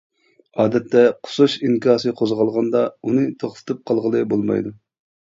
ئادەتتە قۇسۇش ئىنكاسى قوزغالغاندا ئۇنى توختىتىپ قالغىلى بولمايدۇ.